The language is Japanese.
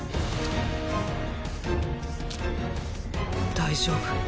大丈夫。